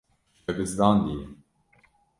We bizdandiye.